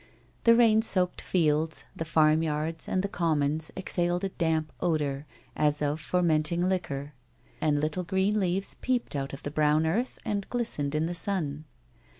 The rain soaked fields, the farm yards and the commons ex haled a damp odour, as of fermenting liquor, and little green leaves peeped out of the browJi earth and glistened in the sun.